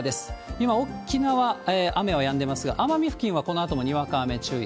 今、沖縄、雨はやんでますが、奄美付近はこのあともにわか雨注意。